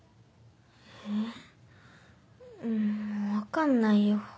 もう分かんないよ。